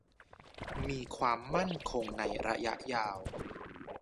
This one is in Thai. มีความมั่นคงในระยะยาว